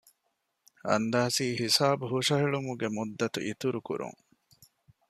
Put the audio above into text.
އަންދާސީ ހިސާބު ހުށަހެޅުމުގެ މުއްދަތު އިތުރު ކުރުން